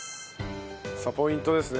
さあポイントですね。